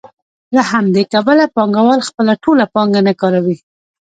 له همدې کبله پانګوال خپله ټوله پانګه نه کاروي